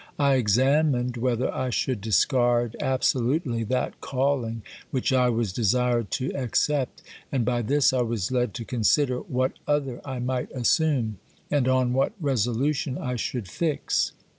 I examined whether I should discard absolutely that calling which I was desired to accept, and by this I was led to consider what other I might assume, and on what resolution I should fix.